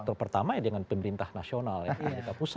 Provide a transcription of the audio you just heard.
faktor pertama ya dengan pemerintah nasional ya pemerintah pusat